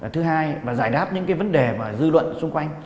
thứ hai là giải đáp những vấn đề và dư luận xung quanh